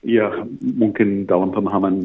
ya mungkin dalam pemahaman